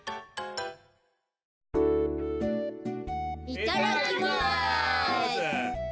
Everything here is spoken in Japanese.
いただきます。